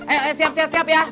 eh siap siap ya